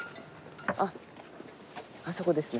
あっあそこですね。